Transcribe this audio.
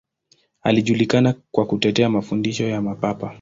Alijulikana kwa kutetea mafundisho ya Mapapa.